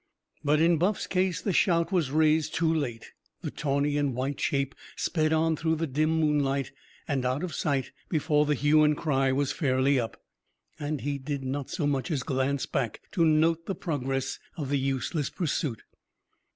But in Buff's case the shout was raised too late. The tawny and white shape sped on through the dim moonlight and out of sight before the hue and cry was fairly up. And he did not so much as glance back to note the progress of the useless pursuit.